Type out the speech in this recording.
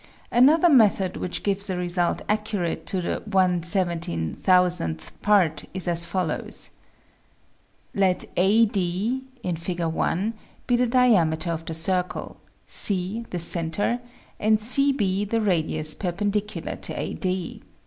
Another method which gives a result accurate to the one seventeen thousandth part is as follows : Let AD, Fig. I, be the diameter of the circle, C the center, and CB the radius perpendicular to AD.